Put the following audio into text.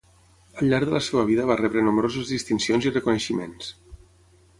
Al llarg de la seva vida va rebre nombroses distincions i reconeixements.